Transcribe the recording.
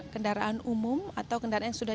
kendaraan umum atau kendaraan yang sudah